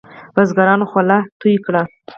بزګرانو خوله توی کړې.